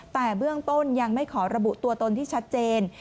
แต่เบื้องต้นยังไม่ขอระบุตัวตนที่ชัดเจน